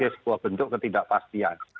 sebuah bentuk ketidakpastian